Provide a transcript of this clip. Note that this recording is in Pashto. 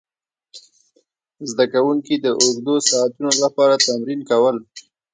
زده کوونکي د اوږدو ساعتونو لپاره تمرین کول.